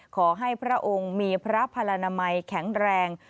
ขอให้พระองค์มีพระพละนมัยแข็งแรง